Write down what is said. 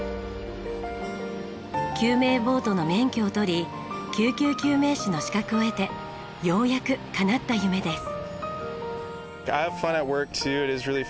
救命ボートの免許を取り救急救命士の資格を得てようやくかなった夢です。